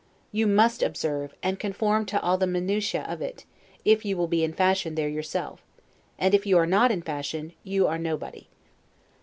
You must observe, and conform to all the 'minutiae' of it, if you will be in fashion there yourself; and if you are not in fashion, you are nobody.